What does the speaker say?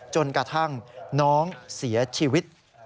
จนกระทั่งน้องเสียชีวิต